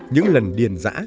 những lần điền giã